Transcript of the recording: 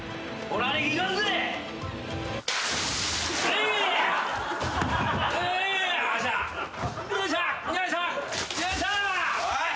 おい！